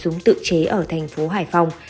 khẩu súng tự chế ở thành phố hải phòng